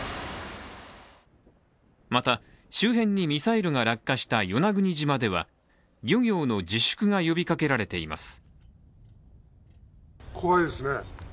また周辺にミサイルが落下した与那国島では漁業の自粛が呼びかけられています。